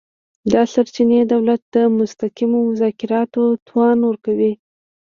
دا سرچینې دولت ته د مستقیمو مذاکراتو توان ورکوي